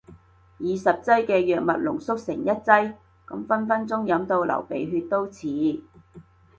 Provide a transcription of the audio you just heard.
以十劑嘅藥物濃縮成一劑？咁分分鐘飲到流鼻血都似